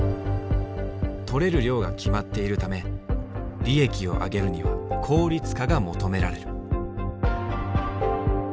取れる量が決まっているため利益をあげるには効率化が求められる。